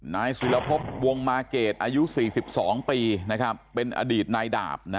นายสุรพบวงมาเกรดอายุ๔๒ปีเป็นอดีตนายดาบ